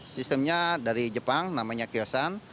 sistemnya dari jepang namanya kiosan